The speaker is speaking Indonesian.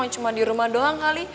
cuma di rumah doang kali